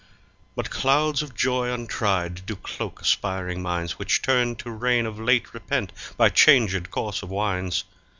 But clouds of joy untried do cloak aspiring minds, Which turn to rain of late repent by changed course of winds.